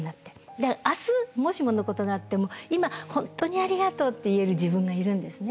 だから明日もしものことがあっても今本当にありがとうって言える自分がいるんですね。